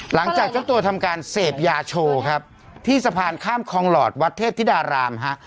หลังจากเจ้าตัวทำการเสพยาโชว์ครับที่สะพานข้ามคลองหลอดวัดเทพธิดารามฮะ